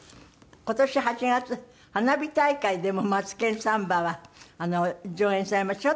今年８月花火大会でも『マツケンサンバ』は上演されました。